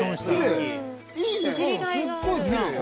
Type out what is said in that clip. いじりがいがある。